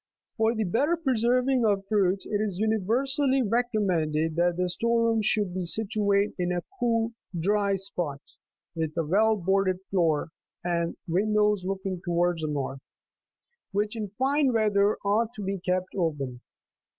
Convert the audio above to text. For the better preserving of fruits it is universally recom mended that the storeroom should be situate in a cool, dry spot, with a well boarded floor, and windows looking towards the north ; which in fine weather ought to be kept open.